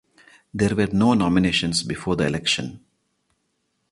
There were no nominations before the election.